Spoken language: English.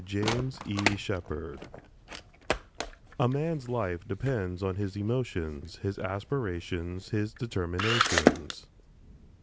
JAMES E. SHEPARD A man's life depends upon his emotions, his aspirations, his determinations.